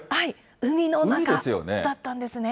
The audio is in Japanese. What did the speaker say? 海の中だったんですね。